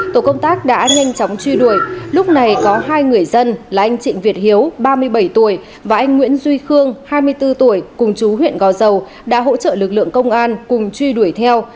tổ công tác đã nhanh chóng truy đuổi lúc này có hai người dân là anh trịnh việt hiếu ba mươi bảy tuổi và anh nguyễn duy khương hai mươi bốn tuổi cùng chú huyện gò dầu đã hỗ trợ lực lượng công an cùng truy đuổi theo